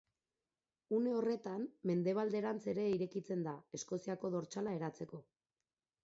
Une horretan, mendebalderantz ere irekitzen da, Eskoziako dortsala eratzeko.